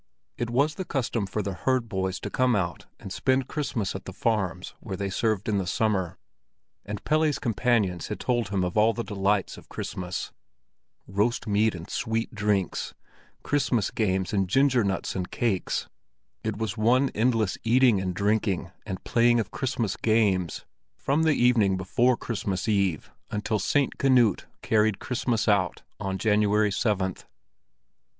It was the custom for the herd boys to come out and spend Christmas at the farms where they served in the summer, and Pelle's companions had told him of all the delights of Christmas—roast meat and sweet drinks, Christmas games and ginger nuts and cakes; it was one endless eating and drinking and playing of Christmas games, from the evening before Christmas Eve until "Saint Knut carried Christmas out," on January 7th.